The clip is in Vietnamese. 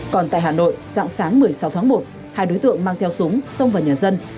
còn tại hà nội dạng sáng một mươi sáu tháng một hai đối tượng mang theo súng xông vào nhà dân